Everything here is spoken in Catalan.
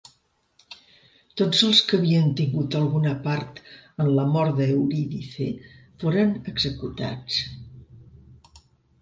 Tots els que havien tingut alguna part en la mort d'Eurídice foren executats.